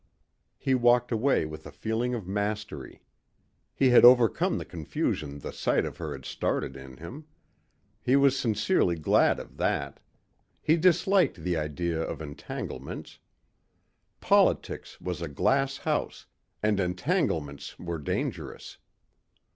He walked away with a feeling of mastery. He had overcome the confusion the sight of her had started in him. He was sincerely glad of that. He disliked the idea of entanglements. Politics was a glass house and entanglements were dangerous.